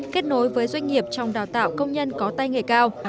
kết nối với doanh nghiệp trong đào tạo công nhân có tay nghề cao